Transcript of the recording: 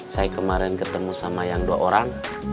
saya kemarin ketemu sama yang dua orang